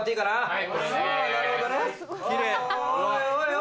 はい。